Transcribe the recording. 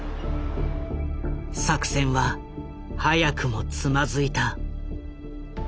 作戦は早くもつまずいた。